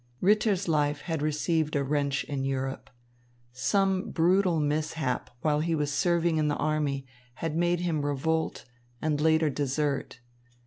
Ritter's life had received a wrench in Europe. Some brutal mishap while he was serving in the army had made him revolt and later desert.